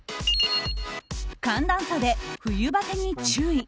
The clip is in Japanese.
寒暖差で冬バテに注意。